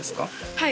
はい。